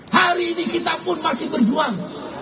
hari ini kita pun masih berjuang